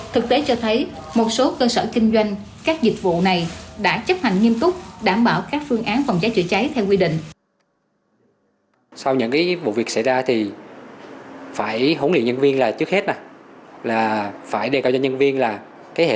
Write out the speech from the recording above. thực tế cho thấy một số cơ sở kinh doanh các dịch vụ này đã chấp hành nghiêm túc đảm bảo các phương án phòng cháy chữa cháy theo quy định